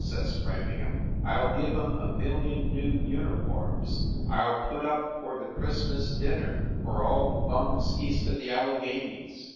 says Framingham. "I ll give em a million new uniforms I ll put up for the Christmas dinner for all the bums east of the Alleghenies!